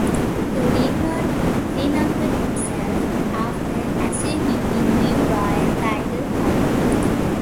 He did not renumber himself after assuming the new royal title, however.